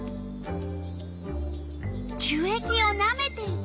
樹液をなめていた。